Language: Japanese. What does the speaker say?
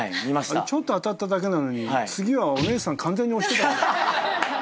ちょっと当たっただけなのに次はお姉さん完全に押してた。